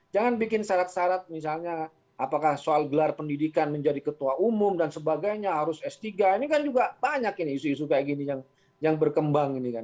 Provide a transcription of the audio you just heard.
jangan bikin syarat syarat misalnya apakah soal gelar pendidikan menjadi ketua umum dan sebagainya harus s tiga ini kan juga banyak ini isu isu kayak gini yang berkembang ini kan